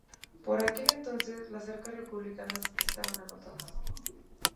Por aquel entonces, las arcas republicanas estaban agotadas.